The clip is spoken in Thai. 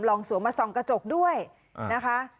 สวมมาส่องกระจกด้วยนะคะ